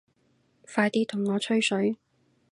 快啲同我吹水